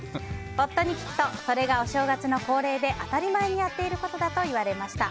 夫に聞くとそれがお正月の恒例で当たり前にやっていることだと言われました。